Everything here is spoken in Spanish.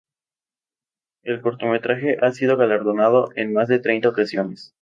El cortometraje ha sido galardonado en más de treinta ocasiones.